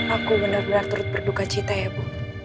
aku benar benar turut berduka cita ya bu